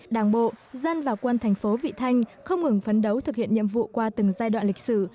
đảng bộ dân và quân thành phố vị thanh không ngừng phấn đấu thực hiện nhiệm vụ qua từng giai đoạn lịch sử